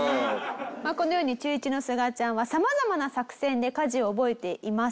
このように中１のすがちゃんは様々な作戦で家事を覚えていますが。